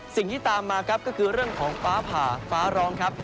สิ่งที่ตามมาครับก็คือเรื่องของฟ้าผ่าฟ้าร้องครับ